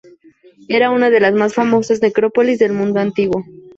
Era una de las más famosas necrópolis del mundo antiguo.